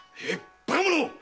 バカ者っ！